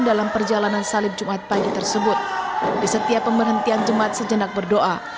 dalam perjalanan salib jumat pagi tersebut di setiap pemberhentian jemaat sejenak berdoa